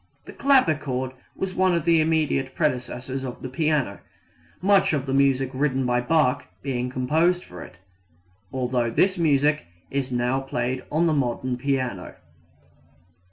The clavichord was one of the immediate predecessors of the piano, much of the music written by Bach being composed for it, although this music is now played on the modern piano.